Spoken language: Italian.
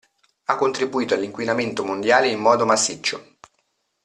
Ha contribuito all'inquinamento mondiale in modo massiccio.